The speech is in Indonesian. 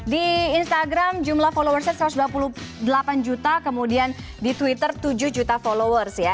di instagram jumlah followersnya satu ratus dua puluh delapan juta kemudian di twitter tujuh juta followers ya